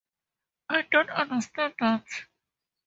I don't understand that.